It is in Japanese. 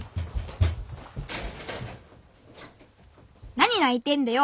何泣いてんだよ